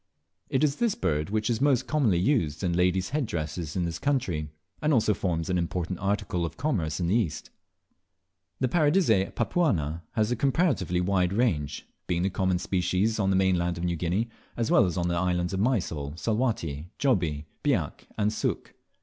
It is this bird which is most commonly used in ladies' head dresses in this country, and also forms an important article of commerce in the East. The Paradisea papuana has a comparatively wide range, being the common species on the mainland of New Guinea, as well as on the islands of Mysol, Salwatty, Jobie, Biak and Sook.